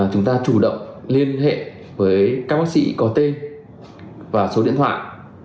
chúng ta chủ động liên hệ với các bác sĩ có tên và số điện thoại